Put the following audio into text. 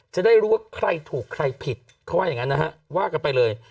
จะได้รู้ว่าใครถูกใครผิดเขาว่าอย่างนั้นนะฮะว่ากันไปเลย